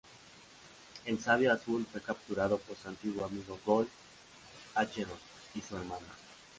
El Sabio Azul fue capturado por su antiguo amigo Gol Acheron y su hermana.